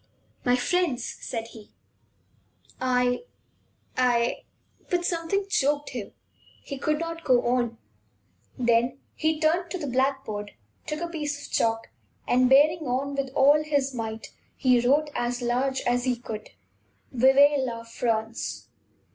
"My friends," said he, "I I " But something choked him. He could not go on. Then he turned to the blackboard, took a piece of chalk, and, bearing on with all his might, he wrote as large as he could: "Vive La France!"